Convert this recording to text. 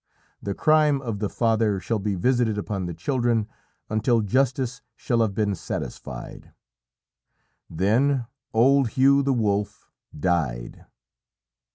The crime of the father shall be visited upon the children until justice shall have been satisfied!' "Then old Hugh the Wolf died.